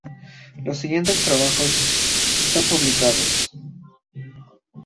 Los siguientes son trabajos publicados.